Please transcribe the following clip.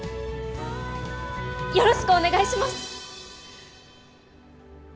よろしくお願いします！